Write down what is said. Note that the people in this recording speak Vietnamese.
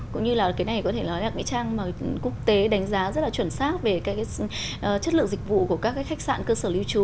cũng như là cái này có thể nói là cái trang mà quốc tế đánh giá rất là chuẩn xác về cái chất lượng dịch vụ của các cái khách sạn cơ sở lưu trú